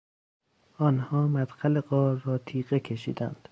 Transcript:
آنها مدخل غار را تیغه کشیدند.